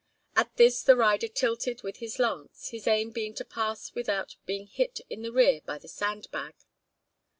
At this the rider tilted with his lance, his aim being to pass without being hit in the rear by the sand bag.